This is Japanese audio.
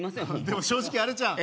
でも正直あれちゃう？